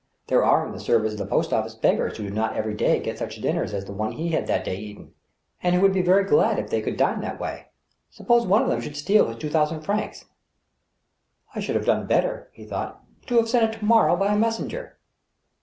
There are in the service of the post office beggars who do not every day get such dinners as the one he had that day eaten, and who would be very glad if they could dine that way — suppose one of them should steal his two thousand francs ?" I should have done better," he thought, " to have sent it to morrow by a messenger."